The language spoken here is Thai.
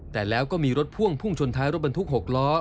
แต่แล้วก็มีรถพ่วงพุ่งชนท้ายรถบรรทุก๖ล้อ